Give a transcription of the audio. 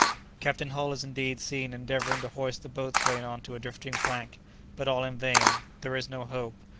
Captain Hull is indeed seen endeavouring to hoist the boatswain on to a drifting plank. But all in vain. There is no hope.